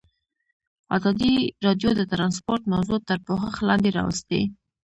ازادي راډیو د ترانسپورټ موضوع تر پوښښ لاندې راوستې.